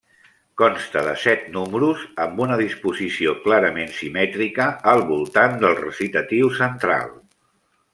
Consta de set números amb una disposició clarament simètrica al voltant del recitatiu central.